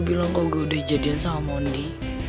gue bilang kalau gue udah jadiin sama mondi